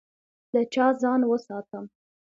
له چا ځان وساتم؟